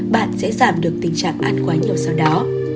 bạn sẽ giảm được tình trạng ăn quá nhiều sau đó